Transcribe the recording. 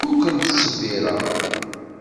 Ur ken-ttṣebbireɣ.